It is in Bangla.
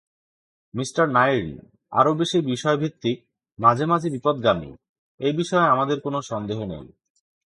মি. নাইর্ন, আরো বেশি বিষয়ভিত্তিক, মাঝে মাঝে বিপথগামী... এই বিষয়ে আমাদের কোন সন্দেহ নেই।